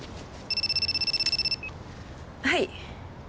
はい。